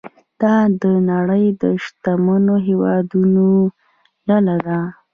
دا د نړۍ د شتمنو هیوادونو ډله ده.